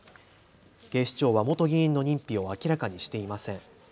警視庁は元議員の認否を明らかにしていません。